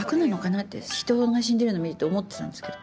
って人が死んでるのを見て思ってたんですけど。